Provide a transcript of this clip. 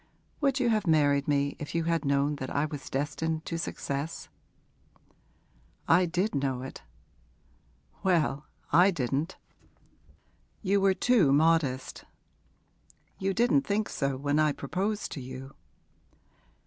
Would you have married me if you had known that I was destined to success?' 'I did know it.' 'Well, I didn't' 'You were too modest.' 'You didn't think so when I proposed to you.'